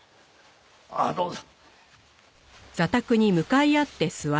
あっどうぞ。